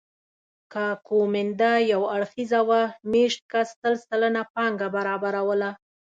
که کومېندا یو اړخیزه وه مېشت کس سل سلنه پانګه برابروله